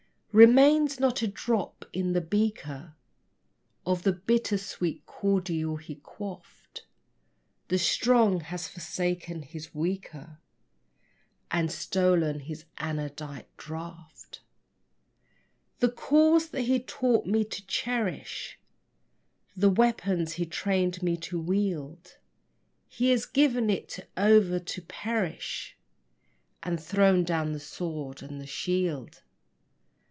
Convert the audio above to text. Remains not a drop in the beaker Of the bitter sweet cordial he quaffed: The strong has forsaken his weaker And stolen his anodyne draught. The cause that he taught me to cherish, The weapons he trained me to wield, He has given it over to perish And thrown down the sword and the shield.